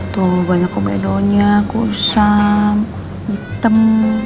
tuh banyak komedonya kusam hitam